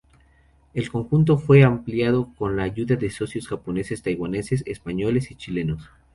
El conjunto fue ampliado con la ayuda de socios japoneses, taiwaneses, españoles y chilenos.